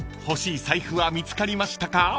欲しい財布は見つかりましたか？］